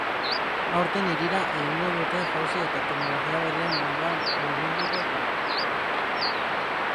Aurten hirira egingo dute jauzi eta teknologia berrien munduan murgilduko dira.